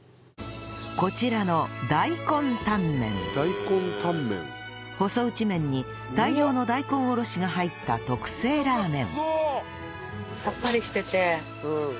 こちらの細打ち麺に大量の大根おろしが入った特製ラーメン